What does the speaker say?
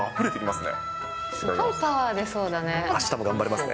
すごくパワー出そうだね。